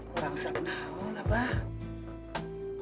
kurang serak nama lu mbak